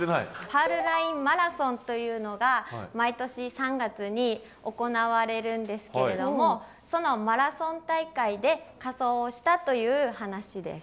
パールラインマラソンというのが毎年３月に行われるんですけれどもそのマラソン大会で仮装をしたという話です。